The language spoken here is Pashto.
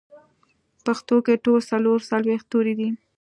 پښتو کې ټول څلور څلوېښت توري دي